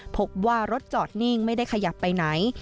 พบว่ารถจอดนิ่งไม่ได้ขยับไปไหน